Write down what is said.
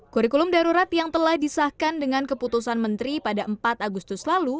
kurikulum darurat yang telah disahkan dengan keputusan menteri pada empat agustus lalu